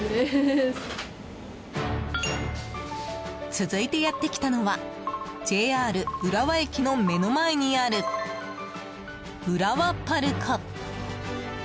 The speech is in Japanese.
続いてやってきたのはＪＲ浦和駅の目の前にある浦和パルコ。